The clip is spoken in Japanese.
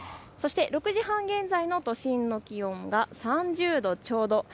そして６時半現在の都心の気温が３０度ちょうど。